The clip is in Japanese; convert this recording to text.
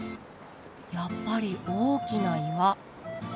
やっぱり大きな岩。